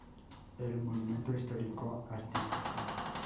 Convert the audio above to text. Es Monumento Histórico Artístico.